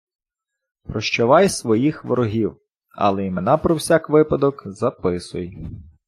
Прощавай своїх ворогів, але імена про всяк випадок записуй